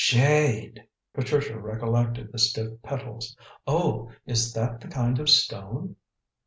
"Jade!" Patricia recollected the stiff petals. "Oh, is that the kind of stone?"